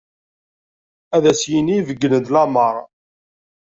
Ad as-yini beggen-d lameṛ.